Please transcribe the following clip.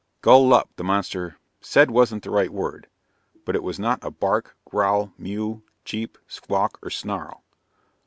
"Gull Lup," the monster said wasn't the right word, but it was not a bark, growl, mew, cheep, squawk or snarl.